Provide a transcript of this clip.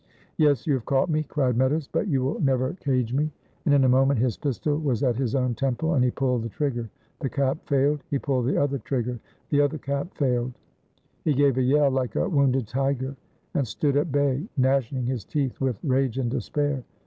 "Yes! you have caught me," cried Meadows, "but you will never cage me!" and in a moment his pistol was at his own temple and he pulled the trigger the cap failed; he pulled the other trigger, the other cap failed. He gave a yell like a wounded tiger, and stood at bay gnashing his teeth with rage and despair.